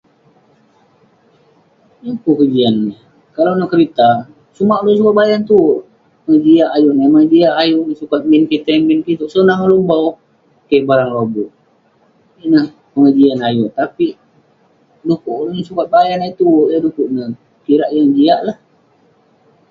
Yeng pun kejian neh, kalau neh kerita, sumak ulouk yeng sukat bayan tuerk..kejian ayuk neh, kejian ayuk neh sukat min kitey min kitouk..senang ulouk bau..keh..barang lobuk..ineh pegejian ayuk, tapik du'kuk ulouk yeng sukay bayan eh tuerk, yah du'kuk neh..kirak yeng jiak lah